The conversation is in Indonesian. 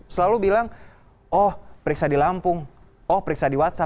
selalu bilang oh periksa di lampung oh periksa di whatsapp